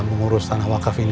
mengurus tanah wakafnya